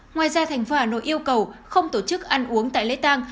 ngoài ra thành phố hà nội yêu cầu không tổ chức ăn uống tại lễ tăng